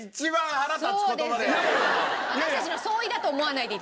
私たちの総意だと思わないで頂きたい。